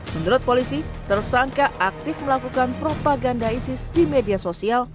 menurut polisi tersangka aktif melakukan propaganda isis di media sosial